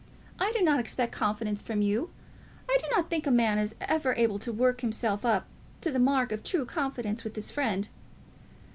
I do not expect confidence from you. I do not think a man is ever able to work himself up to the mark of true confidence with his friend.